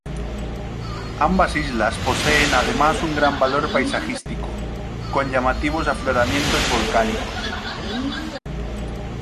Ambas islas poseen además un gran valor paisajístico, con llamativos afloramientos volcánicos.